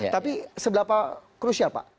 tapi sebelah krusial pak